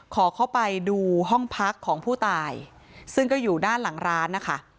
ขอเข้าไปดูห้องพักของผู้ตายซึ่งก็อยู่ด้านหลังร้านนะคะ